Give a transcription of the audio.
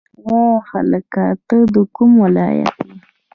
وا هلکه ته د کوم ولایت یی